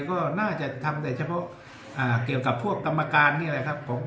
ก็น่าจะทำแต่เฉพาะเกี่ยวกับพวกกรรมการนี่แหละครับผม